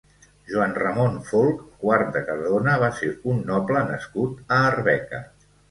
Joan Ramon Folc quart de Cardona va ser un noble nascut a Arbeca.